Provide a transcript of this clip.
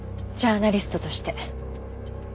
ジャーナリストとして。